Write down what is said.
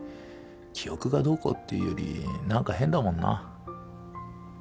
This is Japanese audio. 記憶がどうこうっていうより何か変だもんな。